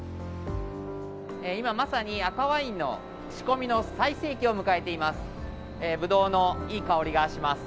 今まさに赤ワインの仕込みの最盛期を迎えています。